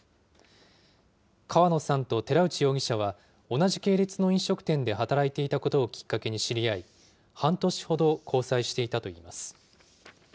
川野さんと寺内容疑者は、同じ系列の飲食店で働いていたことをきっかけに知り合い、半年ほど交際していたといいます。